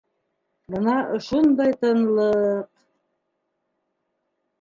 Бына ошондай тынлыҡ!